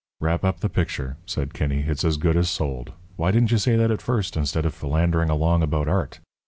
"Wrap up the picture," said Kinney. "It's as good as sold. Why didn't you say that at first, instead of philandering along about art.